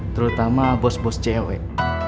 terutama bos bos cewek